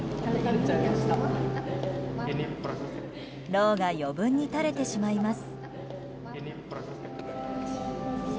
ろうが余分に垂れてしまいます。